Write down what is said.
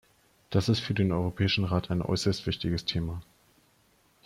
Das ist für den Europäischen Rat ein äußerst wichtiges Thema.